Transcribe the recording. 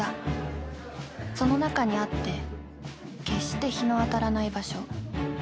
［その中にあって決して日の当たらない場所］